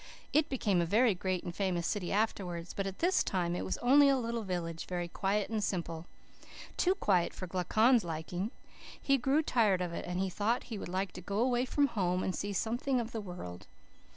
It became a very great and famous city afterwards, but at this time it was only a little village, very quiet and simple. Too quiet for Glaucon's liking. He grew tired of it, and he thought he would like to go away from home and see something of the world.